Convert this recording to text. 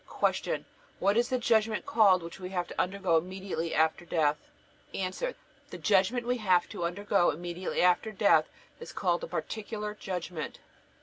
Q. What is the judgment called which we have to undergo immediately after death? A. The judgment we have to undergo immediately after death is called the Particular Judgment.